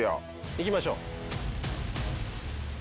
いきましょう。